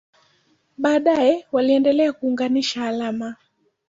Baadaye waliendelea kuunganisha alama.